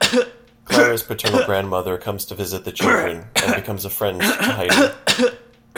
Clara's paternal grandmother comes to visit the children and becomes a friend to Heidi.